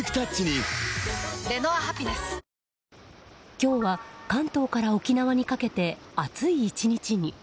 今日は関東から沖縄にかけて暑い１日に。